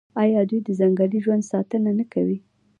آیا دوی د ځنګلي ژوند ساتنه نه کوي؟